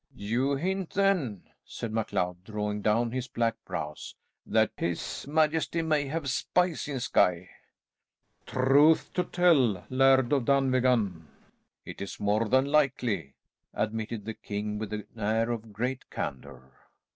"You hint, then," said MacLeod, drawing down his black brows, "that his majesty may have spies in Skye?" "Truth to tell, Laird of Dunvegan, it is more than likely," admitted the king, with an air of great candour.